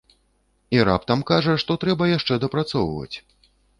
І раптам кажа, што трэба яшчэ дапрацоўваць.